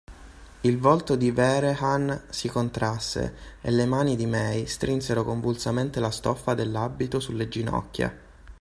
Il volto di Vehrehan si contrasse e le mani di May strinsero convulsamente la stoffa dell’abito sulle ginocchia.